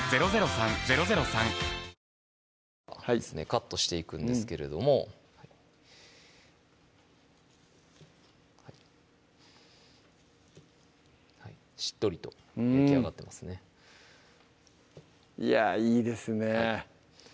カットしていくんですけれどもしっとりと焼き上がってますねいやいいですね